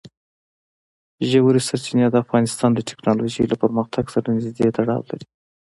ژورې سرچینې د افغانستان د تکنالوژۍ له پرمختګ سره نږدې تړاو لري.